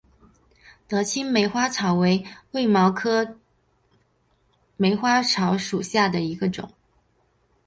德钦梅花草为卫矛科梅花草属下的一个种。